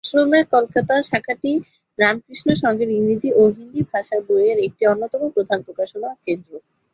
আশ্রমের কলকাতা শাখাটি রামকৃষ্ণ সংঘের ইংরেজি ও হিন্দি ভাষার বইয়ের একটি অন্যতম প্রধান প্রকাশনা কেন্দ্র।